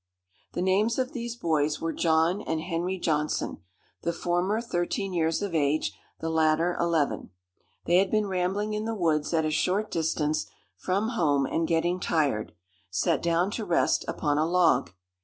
The names of these boys were John and Henry Johnson, the former thirteen years of age, the latter eleven. They had been rambling in the woods at a short distance from home, and getting tired, sat down to rest upon a log.